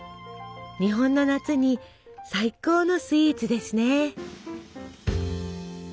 日本の夏に最高のスイーツですね！